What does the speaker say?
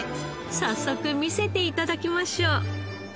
早速見せて頂きましょう。